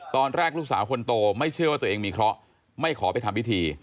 ตอนแรกลูกสาวคนโตไม่เชื่อว่าตัวเองมีเคราะห์ไม่ขอไปทำพิธี